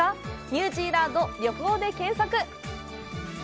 「ニュージーランド旅行」で検索！